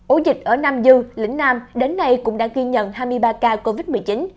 ổ dịch ở nam dư lĩnh nam đến nay cũng đã ghi nhận hai mươi ba ca covid một mươi chín